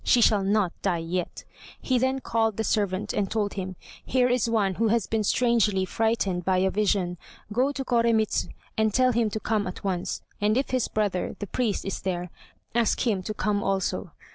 She shall not die yet!" He then called the servant, and told him. "Here is one who has been strangely frightened by a vision. Go to Koremitz and tell him to come at once; and if his brother, the priest, is there, ask him to come also.